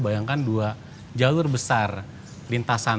bayangkan dua jalur besar lintasan